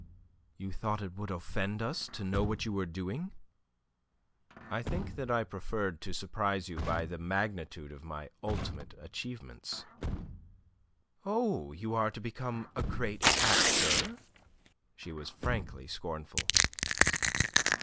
"You thought it would offend us to know what you were doing?" "I think that I preferred to surprise you by the magnitude of my ultimate achievements." "Oh, you are to become a great actor?" She was frankly scornful.